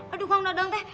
aduh kang dadang teh